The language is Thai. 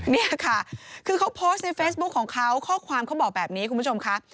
นี่ค่ะคือเขาโพสต์ในเฟซบุ๊คของเขาข้อความเขาบอกแบบนี้คุณผู้ชมค่ะ